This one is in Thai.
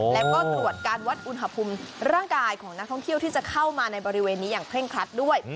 แล้วก็ตรวจการวัดอุณหภูมิร่างกายของนักท่องเที่ยวที่จะเข้ามาในบริเวณนี้อย่างเคร่งครัดด้วย